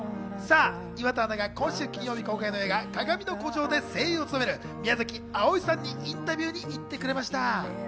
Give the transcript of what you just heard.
岩田アナが今週金曜日公開の映画『かがみの孤城』で声優を務める宮崎あおいさんにインタビューに行ってくれました。